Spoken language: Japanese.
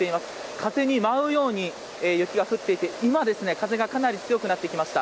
風に舞うように雪が降っていて今、風がかなり強くなってきました。